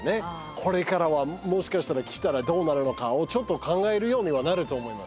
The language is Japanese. これからはもしかしたら来たらどうなるのかをちょっと考えるようにはなると思います。